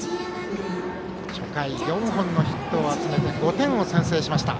初回、４本のヒットを集めて５点を先制しました。